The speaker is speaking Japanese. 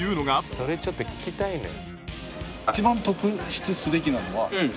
それちょっと聞きたいのよ。